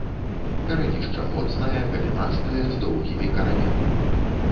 Карэнішча моцнае, галінастае, з доўгімі каранямі.